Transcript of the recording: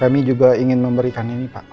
kami juga ingin memberikan ini pak